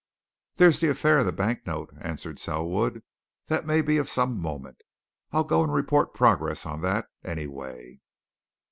"There's the affair of the bank note," answered Selwood. "That may be of some moment. I'll go and report progress on that, anyway."